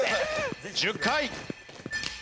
１０回。